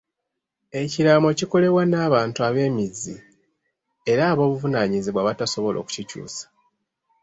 Ekiraamo kikolebwa n'abantu ab'emmizi era ab'obuvunaanyizibwa abatasobola okukikyusa.